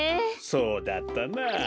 そうだったなあ。